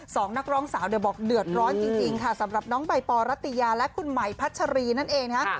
สองนักร้องสาวเนี่ยบอกเดือดร้อนจริงค่ะสำหรับน้องใบปอรัตยาและคุณหมายพัชรีนั่นเองนะฮะ